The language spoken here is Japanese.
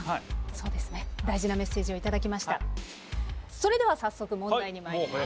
それでは早速問題にまいります。